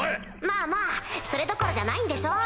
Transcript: まぁまぁそれどころじゃないんでしょ？